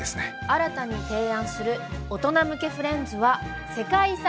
新たに提案する大人向けフレンズは世界遺産フレンズ。